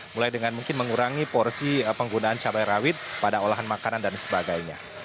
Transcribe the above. mulai dengan mungkin mengurangi porsi penggunaan cabai rawit pada olahan makanan dan sebagainya